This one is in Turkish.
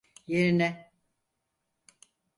Yerine…